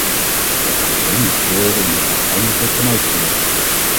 Het probleem ligt veeleer in de uiteindelijke tenuitvoerlegging.